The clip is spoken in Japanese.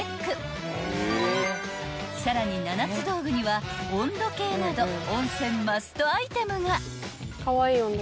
［さらに七つ道具には温度計など温泉マストアイテムが］